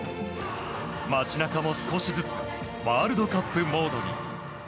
街中も少しずつワールドカップモードに。